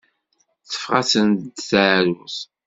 Teffeɣ-asent-d teεrurt.